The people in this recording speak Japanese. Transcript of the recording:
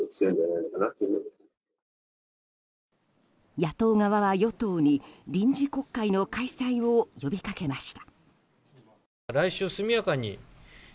野党側は与党に臨時国会の開催を呼びかけました。